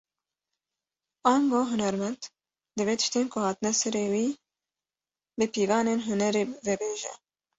Ango hunermend, divê tiştên ku hatine serî wî, bi pîvanên hunerê vebêje